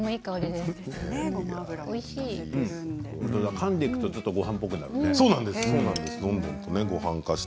かんでいくとごはんっぽくなるね。